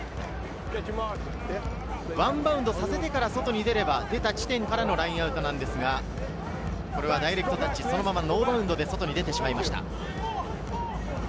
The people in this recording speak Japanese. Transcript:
ワンバウンドさせてから外に出れば、出た地点からのラインアウトですが、ダイレクトタッチ、ノーバウンドで外に出てしまいました。